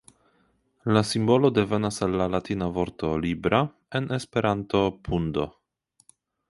La simbolo devenas el la latina vorto "libra", en Esperanto "pundo".